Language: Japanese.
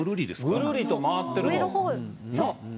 ぐるりと回ってるの？